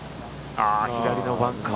左のバンカー。